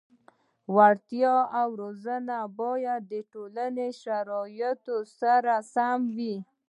وړتیا او روزنه باید د ټولنې شرایطو سره سم وي.